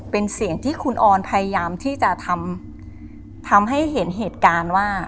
เป็นเสียงที่คุณออนพยายามที่จะทำให้เห็นเหตุการณ์ว่า